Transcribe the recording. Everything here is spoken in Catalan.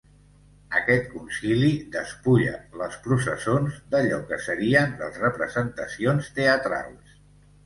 Aquest concili despulla les processons d’allò que serien les representacions teatrals.